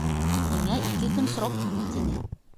Һиңә ике көн срок, — тине.